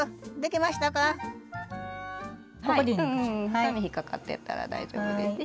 ２目引っ掛かってたら大丈夫です。